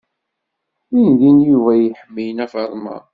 Dindin Yuba iḥemmel Nna Faḍma.